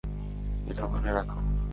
এটা ওখানে রাখো।